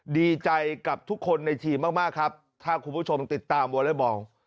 ดีใจกับทุกคนในทีมมากมากครับถ้าคุณผู้ชมติดตามวอเล็กบอล